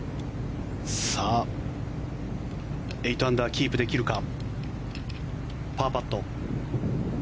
８アンダー、キープできるかパーパット。